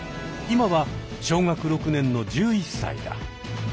今は小学６年の１１さいだ。